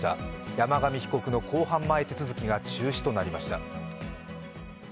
山上被告の公判前整理手続が中止となりました。